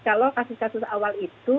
kalau kasus kasus awal itu